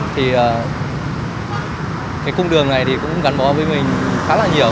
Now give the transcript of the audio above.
thì cái cung đường này thì cũng gắn bó với mình khá là nhiều